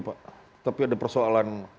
pak tapi ada persoalan